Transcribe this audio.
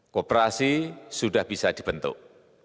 kooperasi sudah bisa dibentuk